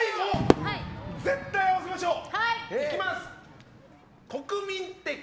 絶対合わせましょう！